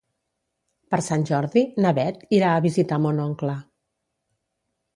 Per Sant Jordi na Bet irà a visitar mon oncle.